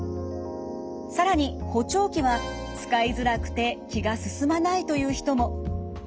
更に補聴器は使いづらくて気が進まないという人も。